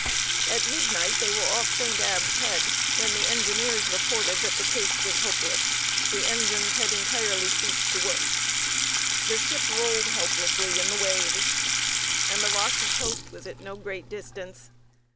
At midnight they were off St. Abbs Head, when the engineers reported that the case was hopeless; the engines had entirely ceased to work. The ship rolled helplessly in the waves, and the rocky coast was at no great distance.